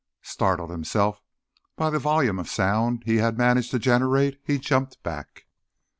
Startled himself by the volume of sound he had managed to generate, he jumped back.